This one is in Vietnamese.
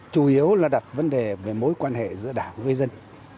chủ yếu là đặt vấn đề về mối quan hệ giữa đảng với dân